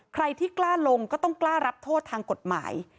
ใครที่กล้าลงก็ต้องกล้ารับโทษทางกฎหมาย